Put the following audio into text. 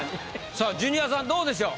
さあジュニアさんどうでしょう？